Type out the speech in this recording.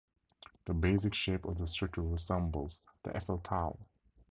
The basic shape of the structure resembles the Eiffel Tower.